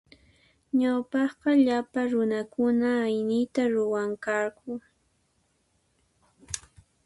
Ñawpaqqa llapa runakuna aynita ruwanqaku.